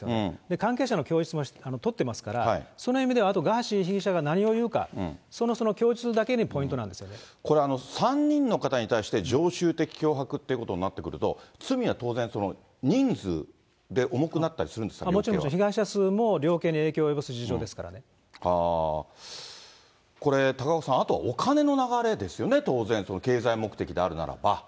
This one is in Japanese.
関係者の供述も取ってますから、その意味では、あとガーシー被疑者が何を言うか、その供述がポイこれ、３人の方に対して常習的脅迫ということになってくると、罪は当然、人数で重くなったりすもちろんです、被害者数も量高岡さん、あとはお金の流れですよね、当然、経済目的であるならば。